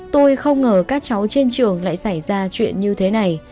tôi không ngờ các cháu trên trường lại xảy ra chuyện như thế này